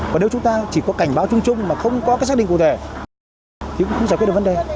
và nếu chúng ta chỉ có cảnh báo chung chung mà không có cái xác định cụ thể thì cũng không giải quyết được vấn đề